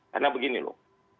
karena begini loh